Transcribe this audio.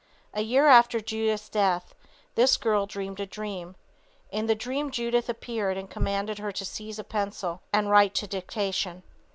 A year after Judith's death this girl dreamed a dream. In the dream Judith appeared and commanded her to seize a pencil and write to dictation.